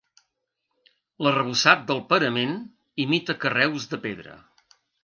L'arrebossat del parament imita carreus de pedra.